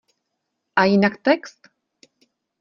A jinak text?